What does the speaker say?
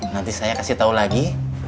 nanti saya kasih tahu lagi